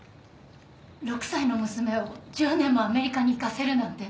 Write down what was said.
６歳の娘を１０年もアメリカに行かせるなんて。